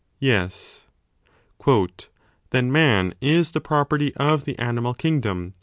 Yes. Then man is the property of the animal kingdom.